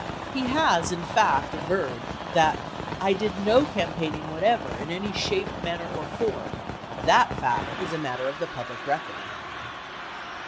He has, in fact, averred that "I did no campaigning whatever, in any shape, manner or form. That fact is a matter of the public record."